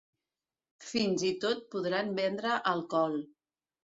Fins i tot podran vendre alcohol.